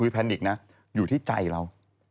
แต่อยู่ที่ใจเรา